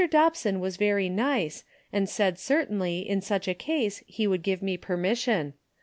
Dobson was very nice and said certainly in such a case he would give me permission.